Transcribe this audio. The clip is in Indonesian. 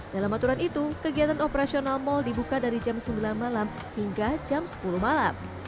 dalam aturan itu kegiatan operasional mal dibuka dari jam sembilan malam hingga jam sepuluh malam